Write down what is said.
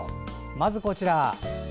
まず、こちら。